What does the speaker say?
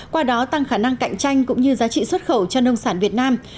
qua đó tăng khả năng cạnh tranh cũng như giá trị xuất khẩu cho nông sản việt nam